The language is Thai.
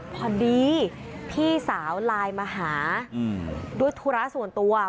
พอดีพี่สาวไลน์มาหาด้วยธุระส่วนตัว